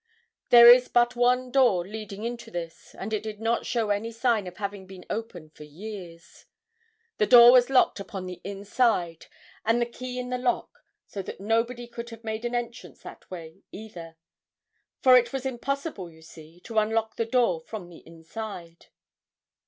There is but one door leading into this, and it did not show any sign of having been open for years. The door was locked upon the inside, and the key in the lock, so that nobody could have made an entrance that way either, for it was impossible, you see, to unlock the door from the outside.'